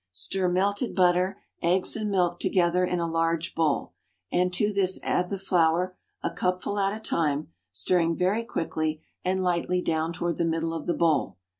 Stir melted butter, eggs and milk together in a large bowl, and to this add the flour, a cupful at a time, stirring very quickly and lightly down toward the middle of the bowl.